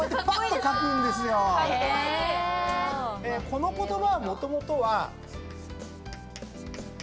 この言葉はもともとは。